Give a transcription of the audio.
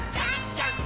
ジャンプ！！